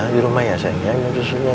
di rumah ya sayang ya nyum susunya ya